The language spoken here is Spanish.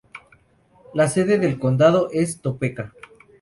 La sede del condado es Topeka.